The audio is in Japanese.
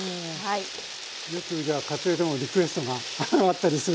よくじゃあ家庭でもリクエストがあったりする？